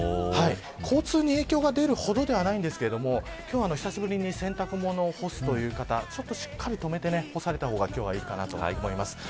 交通に影響が出るほどではないんですが今日は久しぶりに洗濯物を干すという方しっかり止めた方が今日はいいかなと思います。